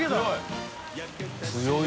△強い！